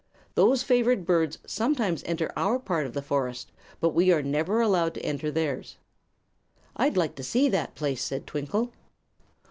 Those favored birds sometimes enter our part of the forest, but we are never allowed to enter theirs." "I'd like to see that place," said Twinkle.